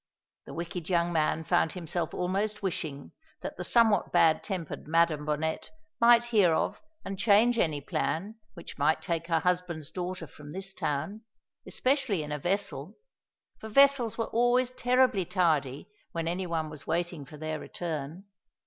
The wicked young man found himself almost wishing that the somewhat bad tempered Madam Bonnet might hear of and change any plan which might take her husband's daughter from this town, especially in a vessel; for vessels were always terribly tardy when any one was waiting for their return.